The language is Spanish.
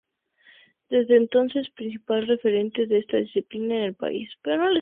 Desde entonces, principal referente de esa disciplina en el país.